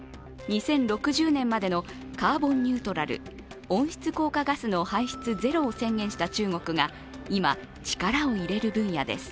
２０６０年までのカーボンニュートラル＝温室効果ガスの排出ゼロを宣言した中国が今、力を入れる分野です。